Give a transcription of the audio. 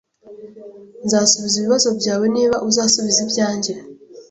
Nzasubiza ibibazo byawe niba uzasubiza ibyanjye